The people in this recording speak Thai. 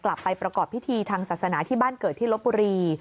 กลับไปประกอบพิธีทางศาสนาที่บ้านเกิดที่ลบบุรี